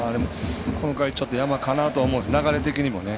今回、山かなと思うんですけど流れ的にもね。